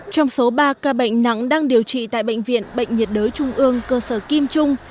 trong số ba ca bệnh nặng đang điều trị tại bệnh viện bệnh nhiệt đới trung ương cơ sở kim trung